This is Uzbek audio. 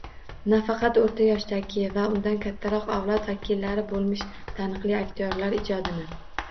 Nafaqat o‘rta yoshdagi va undan kattaroq avlod vakillari bo‘lmish taniqli aktyorlar ijodini